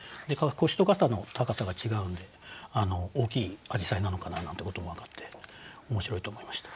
腰と肩の高さが違うんで大きいアジサイなのかななんてことも分かって面白いと思いました。